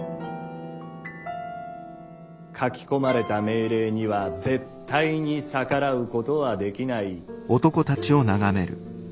書き込まれた命令には絶対に逆らうことはできない。